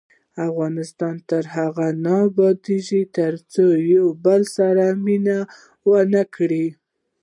افغانستان تر هغو نه ابادیږي، ترڅو له یو بل سره مینه ونه کړو.